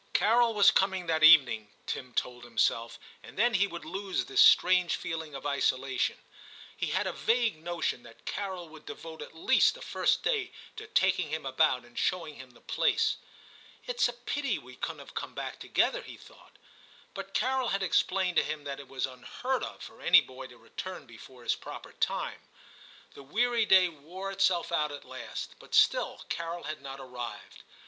Carol was coming that evening, Tim told him self, and then he would lose this strange V TIM Sy feeling of isolation ; he had a vague notion that Carol would devote at least the first day to taking him about and showing him the place. * It's a pity we couldn't have come back together/ he thought ; but Carol had explained to him that it was unheard of for any boy to return before his proper time. The weary day wore itself out at last, but still Carol had not arrived.